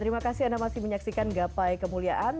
terima kasih anda masih menyaksikan gapai kemuliaan